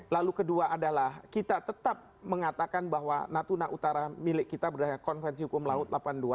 lalu kedua adalah kita tetap mengatakan bahwa natuna utara milik kita berdasarkan konvensi hukum laut delapan puluh dua